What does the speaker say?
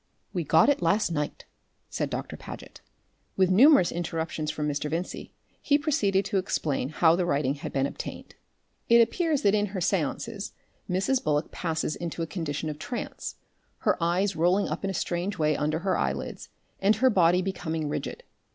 "We got it last night," said Doctor Paget. With numerous interruptions from Mr. Vincey, he proceeded to explain how the writing had been obtained. It appears that in her seances, Mrs. Bullock passes into a condition of trance, her eyes rolling up in a strange way under her eyelids, and her body becoming rigid.